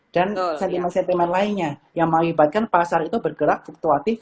dan sentimen sentimen lainnya yang mengibatkan pasar itu bergerak fluktuatif